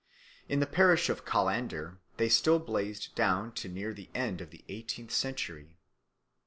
In the parish of Callander they still blazed down to near the end of the eighteenth century.